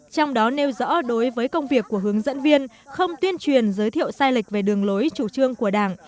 trong đó nêu rõ đối với công việc của hướng dẫn viên không tuyên truyền giới thiệu sai lệch về đường lối chủ trương của đảng